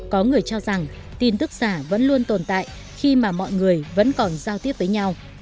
có người cho rằng tin tức giả vẫn luôn tồn tại khi mà mọi người vẫn còn giao tiếp với nhau